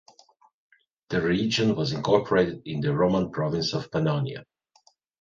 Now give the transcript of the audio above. The region was incorporated in the Roman province of Pannonia.